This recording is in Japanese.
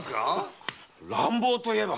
乱暴といえば！